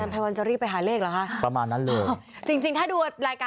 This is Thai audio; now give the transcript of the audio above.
อพระวัลจะรีบไปหาเลขหรือคะ